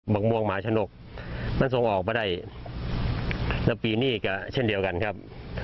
ม่วงหมาชนกมันส่งออกมาได้แล้วปีนี้ก็เช่นเดียวกันครับ